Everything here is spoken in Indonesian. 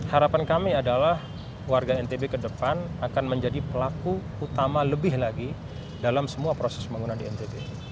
harapan kami adalah warga ntb ke depan akan menjadi pelaku utama lebih lagi dalam semua proses pembangunan di ntb